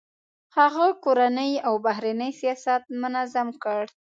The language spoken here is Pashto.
هغه کورنی او بهرنی سیاست منظم کړ.